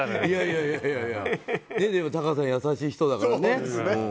いやいやタカさん優しい人だからね。